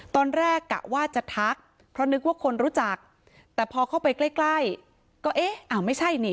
กะว่าจะทักเพราะนึกว่าคนรู้จักแต่พอเข้าไปใกล้ใกล้ก็เอ๊ะอ้าวไม่ใช่นี่